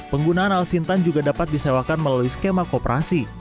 penggunaan alsintan juga dapat disewakan melalui skema kooperasi